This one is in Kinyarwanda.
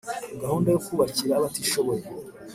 Gahunda yo kubakira abatishoboye.